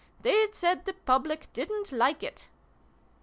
They said the Public didn't like it